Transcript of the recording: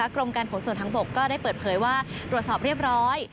กรมการขนส่งทางบกก็ได้เปิดเผยว่าตรวจสอบเรียบร้อย